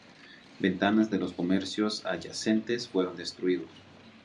Ventanas de los comercios adyacentes fueron destruidos.